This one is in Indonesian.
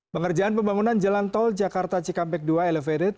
pengerjaan pembangunan jalan tol jakarta cikampek dua elevated